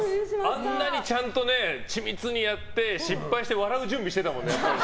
あんなにちゃんと緻密にやって失敗して、笑う準備してたもんね。